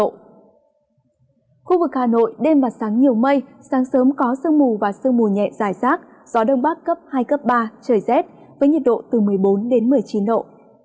khu vực hà nội đêm và sáng nhiều mây sáng sớm có sương mù và sương mù nhẹ dài rác gió đông bắc cấp hai cấp ba trời rét với nhiệt độ từ một mươi bốn đến một mươi chín độ